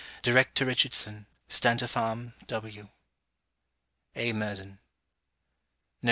Direct to Richardson Stantorfarm, W . A. MURDEN _N.B.